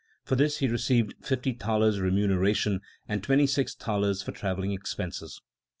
For this he received fifty thalers remuneration and twenty six thalers for travelling expenses.